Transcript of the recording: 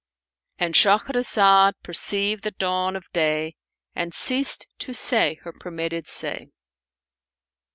And Shahrazad perceived the dawn of day and ceased to say her permitted say.